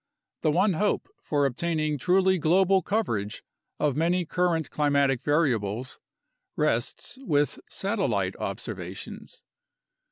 The one hope for obtaining truly global coverage of many current climatic variables rests with satellite observations.